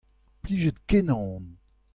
Plijet-kenañ on.